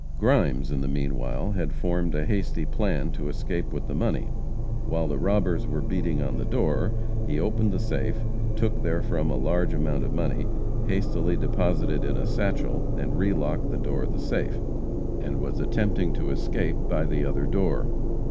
Grimes, in the meanwhile, had formed a hasty plan to escape with the money. While the robbers were beating in the door, he opened the safe, took therefrom a large amount of money, hastily deposited it in a satchel, re locked the door of the safe, and was in the act of attempting to escape by the other door.